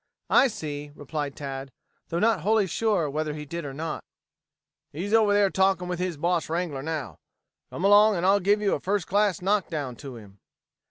"I see," replied Tad, though not wholly sure whether he did or not. "He's over there talking with his boss wrangler now. Come along and I'll give you a first class knock down to him."